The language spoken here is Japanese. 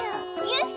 よし！